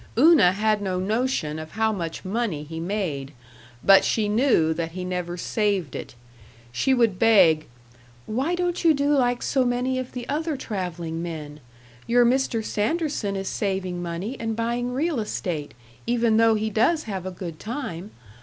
Una had no notion of how much money he made, but she knew that he never saved it. She would beg: "Why don't you do like so many of the other traveling men? Your Mr. Sanderson is saving money and buying real estate, even though he does have a good time.